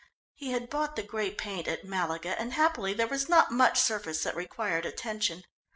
He had bought the grey paint at Malaga, and happily there was not much surface that required attention.